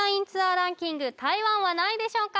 ランキング台湾は何位でしょうか？